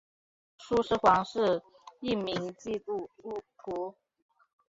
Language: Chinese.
苏施黄是一名基督徒。